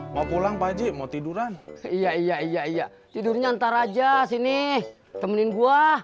mau pulang pagi mau tiduran iya iya iya iya tidurnya ntar aja sini temenin gue